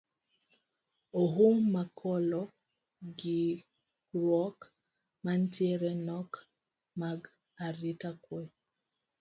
Ohum mokalo ng`ikruok mantiere nok mag arita kwe